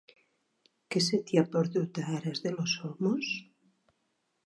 Què se t'hi ha perdut, a Aras de los Olmos?